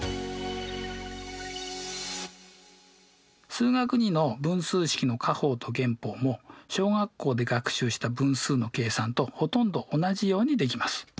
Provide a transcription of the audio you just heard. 「数学Ⅱ」の分数式の加法と減法も小学校で学習した分数の計算とほとんど同じようにできます。